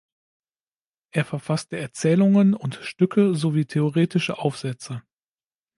Er verfasste Erzählungen und Stücke sowie theoretische Aufsätze.